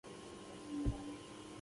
آیا د کاناډا ځنګلونه اقتصادي ارزښت نلري؟